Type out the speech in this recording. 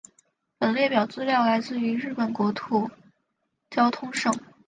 本列表资料来自于日本国国土交通省。